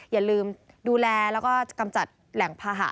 อย่าลืมดูแลแล้วก็กำจัดแหล่งภาหะ